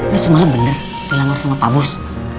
lo semalam bener dilamar sama pak bos